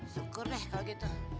syukur deh kalau gitu